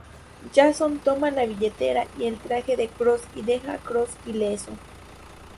Jason toma la billetera y el traje de Cross y deja a Cross ileso.